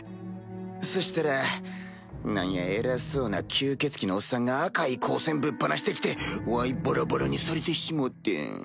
そしたら何や偉そうな吸血鬼のおっさんが赤い光線ぶっ放して来てわいバラバラにされてしもてん。